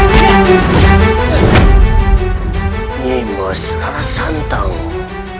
nyimah selera santang